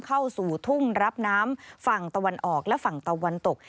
เข้าสู่ทุ่งรับน้ำฝั่งตะวันออกและฝั่งตะวันตก